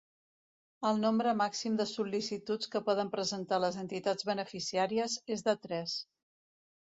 El nombre màxim de sol·licituds que poden presentar les entitats beneficiàries és de tres.